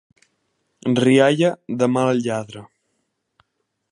Rialla de mal lladre.